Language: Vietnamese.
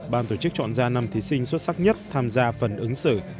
ban tổ chức chọn ra năm thí sinh xuất sắc nhất tham gia phần ứng xử